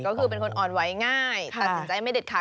ก็คือเป็นคนอ่อนไหวง่ายตัดสินใจไม่เด็ดขาด